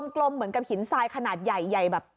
กลมเหมือนกับหินทรายขนาดใหญ่ใหญ่แบบ